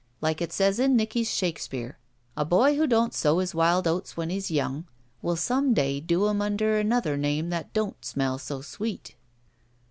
Like it says in Nicky's Shakespeare, a boy who don't sow his wild oats when he's young will some day do 'em under another name that don't smell so sweet."